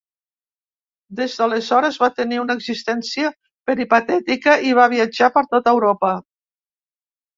Des d'aleshores, va tenir una existència peripatètica i va viatjar per tota Europa.